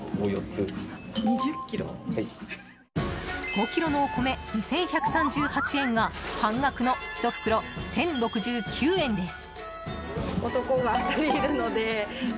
５ｋｇのお米、２１３８円が半額の１袋１０６９円です！